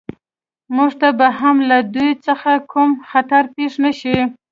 موږ ته به هم له دوی څخه کوم خطر پېښ نه شي